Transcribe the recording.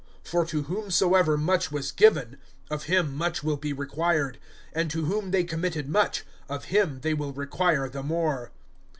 For to whomsoever much was given, of him much will be required; and to whom they committed much, of him they will require the more.